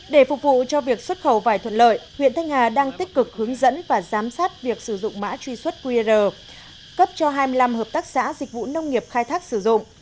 để phục vụ cho việc xuất khẩu vải thuận lợi huyện thanh hà đang tích cực hướng dẫn và giám sát việc sử dụng mã truy xuất qr cấp cho hai mươi năm hợp tác xã dịch vụ nông nghiệp khai thác sử dụng